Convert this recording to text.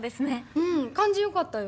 うん感じよかったよ。